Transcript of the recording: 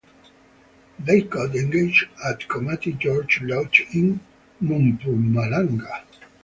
They got engaged at Komati Gorge Lodge in Mpumalanga.